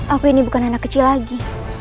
aku ini bukan anak kecil lagi